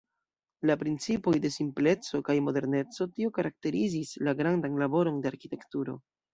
La principoj de simpleco kaj moderneco, tio karakterizis la grandan laboron de Arkitekturo.